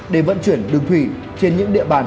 để vận chuyển đường thủy trên những địa bàn